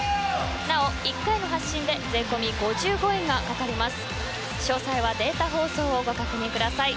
なお、１回の発信で税込み５５円がかかります。